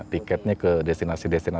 tiketnya ke destinasi destinasi